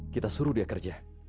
kita suruh dia kerja